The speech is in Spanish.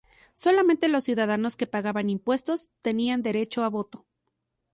Solamente los ciudadanos que pagaban impuestos tenían derecho a voto.